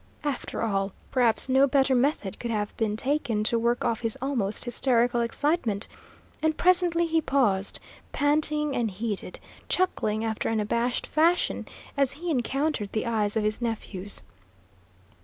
After all, perhaps no better method could have been taken to work off his almost hysterical excitement, and presently he paused, panting and heated, chuckling after an abashed fashion as he encountered the eyes of his nephews.